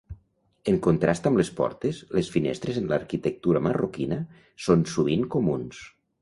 En contrast amb les portes, les finestres en l'arquitectura marroquina són sovint comuns.